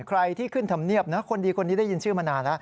ใครที่ขึ้นธรรมเนียบนะคนดีคนนี้ได้ยินชื่อมานานแล้ว